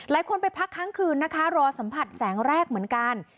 ไปพักครั้งคืนนะคะรอสัมผัสแสงแรกเหมือนกัน